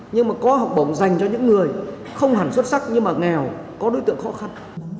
nhưng mà có học bổng dành cho những người không hẳn xuất sắc nhưng mà nghèo có đối tượng khó khăn